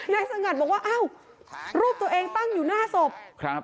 สงัดบอกว่าอ้าวรูปตัวเองตั้งอยู่หน้าศพครับ